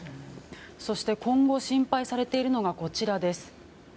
そして、今後心配されているのがこちら。